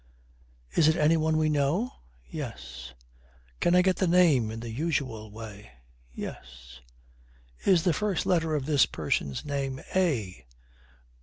Is it any one we know? Yes. Can I get the name in the usual way? Yes. Is the first letter of this person's name A?